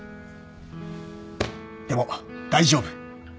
でも大丈夫